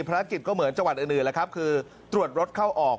ภารกิจก็เหมือนจังหวัดอื่นแล้วครับคือตรวจรถเข้าออก